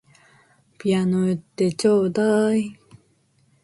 ピアノ売ってちょうだい